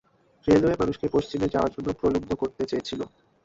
Railway মানুষকে পশ্চিমে যাওয়ার জন্য প্রলুব্ধ করতে চেয়েছিল।